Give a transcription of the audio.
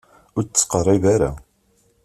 Ur d-ttqeṛṛib ara.